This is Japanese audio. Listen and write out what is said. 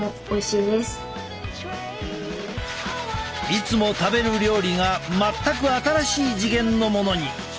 いつも食べる料理が全く新しい次元のものに！